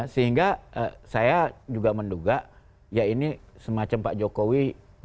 sehingga saya juga menduga ya ini semacam pak jokowi